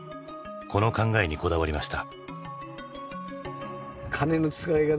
この考えにこだわりました。